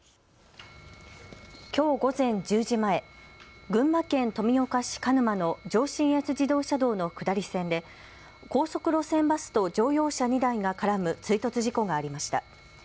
きょう午前１０時前、群馬県富岡市蚊沼の上信越自動車道の下り線で高速路線バスと乗用車２台が絡む追突事故がありました。